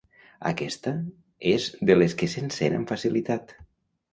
Aquesta és de les que s'encén amb facilitat.